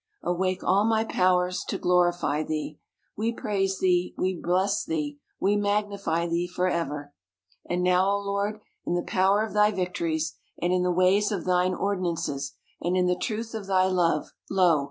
awake all my powers to glorify thee ! We praise thee, we bless thee, we magnify thee for ever. And now, Lord ! in the power of thy victories, and in the ways of thine ordinances, and in the truth of thy love, lo